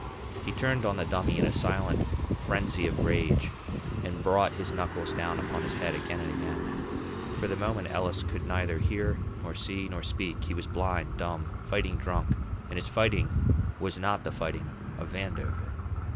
He turned on the Dummy in a silent frenzy of rage and brought his knuckles down upon his head again and again. For the moment Ellis could neither hear, nor see, nor speak; he was blind, dumb, fighting drunk, and his fighting was not the fighting of Vandover.